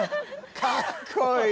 かっこいい